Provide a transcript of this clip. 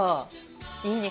いいね。